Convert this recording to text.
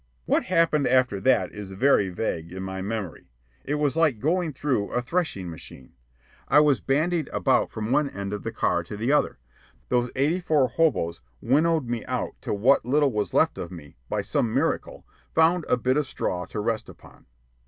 What happened after that is very vague in my memory. It was like going through a threshing machine. I was bandied about from one end of the car to the other. Those eighty four hoboes winnowed me out till what little was left of me, by some miracle, found a bit of straw to rest upon.